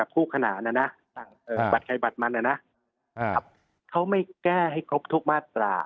คู่ขนานนะนะบัตรใครบัตรมันนะเขาไม่แก้ให้ครบทุกมาตรา